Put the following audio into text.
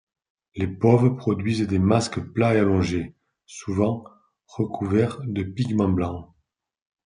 Les Pove produisent des masques plats et allongés, souvent recouverts de pigments blancs.